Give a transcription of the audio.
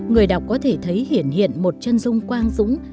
người đọc có thể thấy hiển hiện một trân dung quang dũng